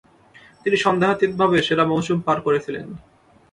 তিনি সন্দেহাতীতভাবে সেরা মৌসুম পার করেছিলেন।